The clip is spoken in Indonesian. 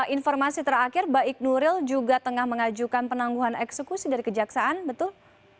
informasi terakhir baik nuril juga tengah mengajukan penangguhan eksekusi dari kejaksaan betul